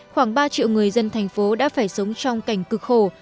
khoảng ba triệu người dân thành phố đã phải sống trong cảnh cực khổ